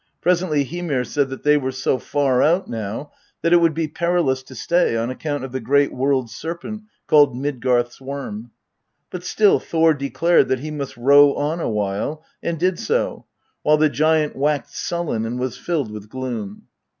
Presently Hymir said that they were so far out now that it would be perilous to stay on account of the great World Serpent, called Midgarth's Worm. But still Thor declared that he must row on a while and did so, while the giant waxed sullen and was filled with gloom.